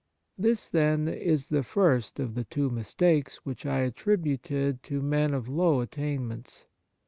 This, then, is the first of the two mistakes which I attributed to men of low attain ments.